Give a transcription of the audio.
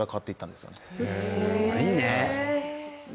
すごいね。